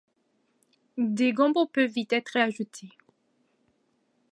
Des gombos peuvent y être ajoutés.